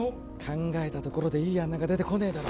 考えたところでいい案なんか出てこねえだろ